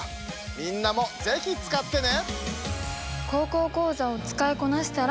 みんなも是非使ってね！